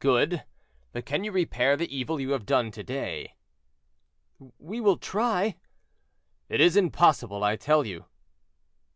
"Good; but can you repair the evil you have done to day?" "We will try." "It is impossible, I tell you."